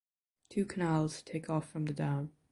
Two canals take off from the dam.